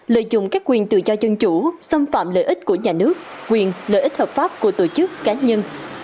lợi dụng các quyền tự do dân chủ xâm phạm lợi ích của nhà nước quyền lợi ích hợp pháp của tổ chức cá nhân